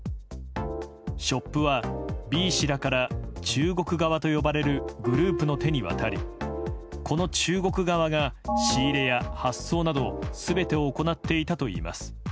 ショップらはＢ氏らから中国側と呼ばれるグループの手にわたりこの中国側が仕入れや発送など全てを行っていたといいます。